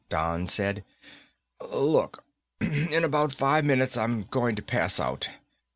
Don said, "Look, in about five minutes I'm going to pass out.